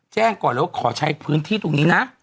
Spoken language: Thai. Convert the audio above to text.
แจ้งก่อนเลยว่าขอใช้พื้นที่ตรงนี้นะ